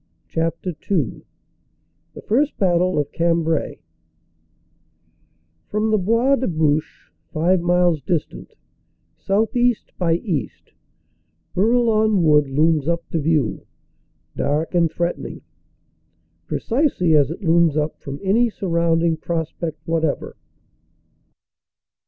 CHAPTER II THE FIRST BATTLE OF CAMBRAI FROM the Bois de Bouche, five miles distant, southeast by east, Bourlon Wood looms up to view, dark and threaten ing, precisely as it looms up from any surrounding pros pect whatever.